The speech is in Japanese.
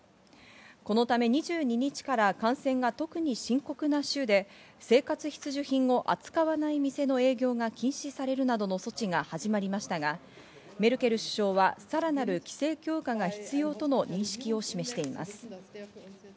このため２２日から感染が特に深刻な州で生活必需品を扱わない店の営業が禁止されるなどの措置が始まりましたが、メルケル首相はさらなる規制強化が必要との認識を示しています。